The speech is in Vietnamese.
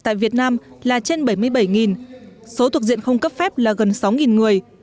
tại việt nam là trên bảy mươi bảy số thuộc diện không cấp phép là gần sáu người